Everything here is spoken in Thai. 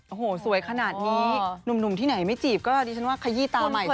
โอ้โหสวยขนาดนี้หนุ่มที่ไหนไม่จีบก็ดิฉันว่าขยี้ตาใหม่